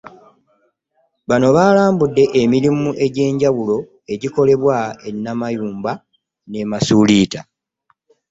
Bano baalambudde emirimu egy'enjawulo egikolebwa e Namayumba ne Masuliita